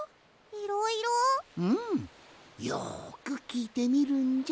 うんよくきいてみるんじゃ。